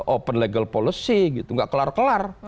open legal policy gitu nggak kelar kelar